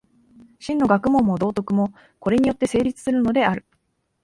真の学問も道徳も、これによって成立するのである。